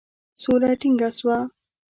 سوله ټینګه سوه.